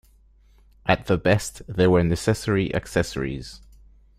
At the best, they were necessary accessories.